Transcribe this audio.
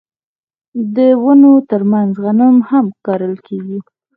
د ونو ترمنځ غنم هم کرل کیږي.